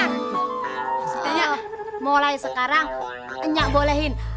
maksudnya mulai sekarang nggak bolehin